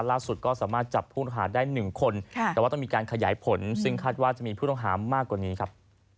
ล่าสุดก็สามารถจับผู้ต้องหาได้๑คนแต่ว่าต้องมีการขยายผลซึ่งคาดว่าจะมีผู้ต้องหามากกว่านี้ครับ